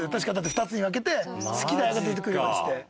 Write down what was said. ２つに分けて「好きだよ！」が出てくるようにして。